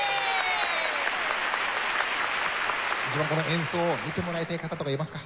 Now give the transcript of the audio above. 一番この演奏を見てもらいたい方とかいますか？